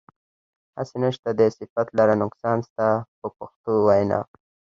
هسې نشته دی صفت لره نقصان ستا په پښتو وینا.